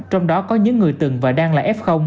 trong đó có những người từng và đang là f